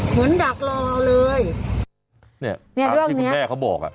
เหมือนดักรอเลยเนี่ยเนี่ยเรื่องเนี้ยที่คุณแม่เขาบอกอ่ะ